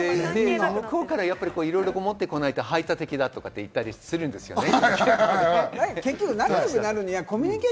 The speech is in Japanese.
向こうからいろいろ持ってこないと排他的だって言ったりするんですよね。